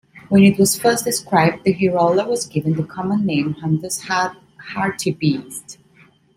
When it was first described the hirola was given the common name Hunter's hartebeest.